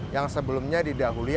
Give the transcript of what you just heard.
yang sebelumnya didahului